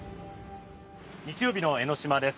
日曜日の江の島です。